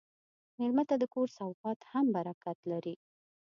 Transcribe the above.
مېلمه ته د کور سوغات هم برکت لري.